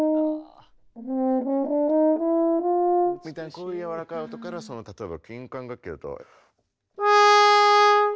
こういう柔らかい音から例えば金管楽器だと。